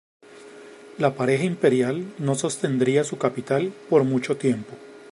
La pareja imperial no sostendría su capital por mucho tiempo.